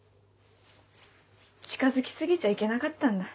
近づき過ぎちゃいけなかったんだ。